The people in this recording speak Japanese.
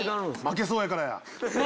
負けそうやからや。